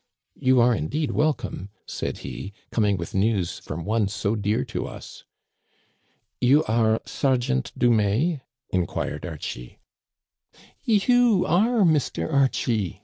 "You are indeed welcome," said he, "coming with news from one so dear to us." You are — Sergeant Dumais ?inquired Archie. " You are Mr. Archie